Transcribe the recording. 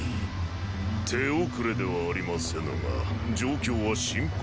手遅れではありませぬが状況は深刻かと。